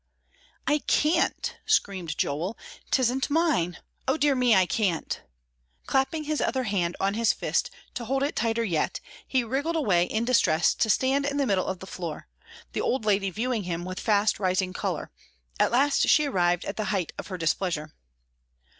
"I can't," screamed Joel; "'tisn't mine. O dear me, I can't." Clapping his other hand on his fist to hold it tighter yet, he wriggled away in distress to stand in the middle of the floor, the old lady viewing him with fast rising choler; at last she arrived at the height of her displeasure.